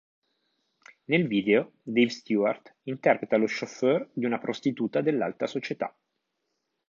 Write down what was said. Nel video Dave Stewart interpreta lo chauffeur di una prostituta dell'alta società.